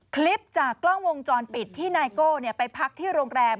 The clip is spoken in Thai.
คลิปจากกล้องวงจรปิดที่นายโก้ไปพักที่โรงแรม